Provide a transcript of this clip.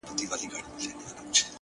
• چي د حق پړی یې غاړي ته زیندۍ کړ ,